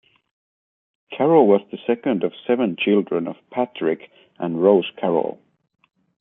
Carroll was the second of seven children of Patrick and Rose Carroll.